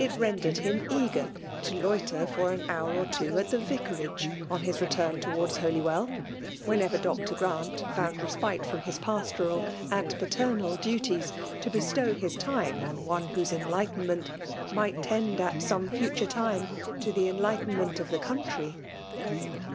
rendered Um eager to loiter, for 'an hour or two* at the vicarage on his return towards Holy "ffeU, y/henx&rer Dr. Grant found respite' from bis paalpval and paternal duties to bestow bis timet on one whose, enlightenment might tend •at aome fiiture timie to the enlightenment of the country.